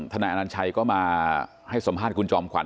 ทนายนันชัยก็มาให้สมฆ่าคุณจอมขวัญ